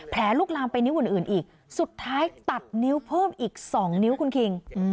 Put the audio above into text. ลุกลามไปนิ้วอื่นอีกสุดท้ายตัดนิ้วเพิ่มอีก๒นิ้วคุณคิง